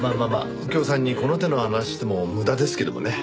右京さんにこの手の話しても無駄ですけどもね。